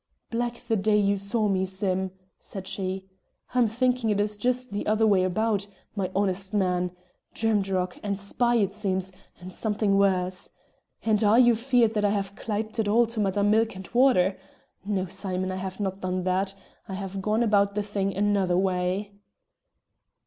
"Black the day you saw me, Sim!" said she. "I'm thinking it is just the other way about, my honest man. Drimdarroch! And spy, it seems, and something worse! And are you feared that I have clyped it all to Madame Milk and Water? No, Simon, I have not done that; I have gone about the thing another way."